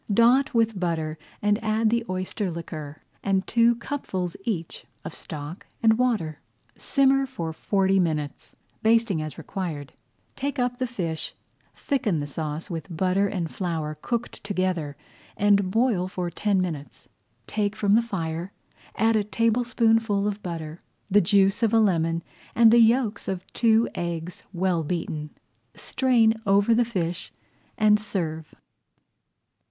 Dot with butter and add the oyster liquor, and two cupfuls each of stock and water. Simmer for forty minutes, basting as required. Take up the fish, thicken the sauce with butter and flour cooked together, and boil for ten minutes. Take from the fire, add a tablespoonful of butter, the juice of a lemon, and the yolks of two eggs well beaten. Strain over the fish and serve.